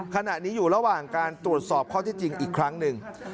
ขณะนี้อยู่ระหว่างการตรวจสอบข้อที่จริงอีกครั้งหนึ่ง